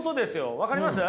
分かります？